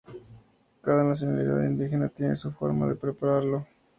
Cada nacionalidad indígena tiene su forma de prepararlo.